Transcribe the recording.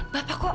bapak bapak kok